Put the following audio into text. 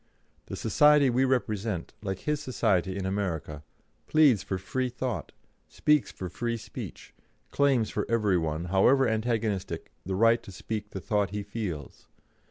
The society we represent, like his society in America, pleads for free thought, speaks for free speech, claims for every one, however antagonistic, the right to speak the thought he feels.